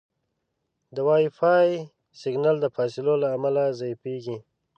د وائی فای سګنل د فاصلو له امله ضعیفېږي.